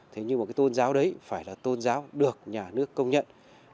thế nhưng một tôn giáo đấy phải là tôn giáo được nhà nước công nhận